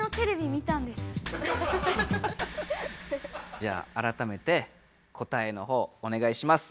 じゃああらためて答えのほうお願いします。